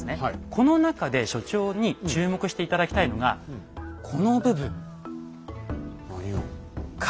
この中で所長に注目して頂きたいのがこの部分。